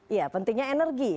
ya pentingnya energi